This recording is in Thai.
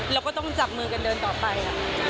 เราก็ต้องจับมือกันเดินต่อไป